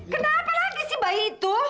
kenapa lagi si bayi itu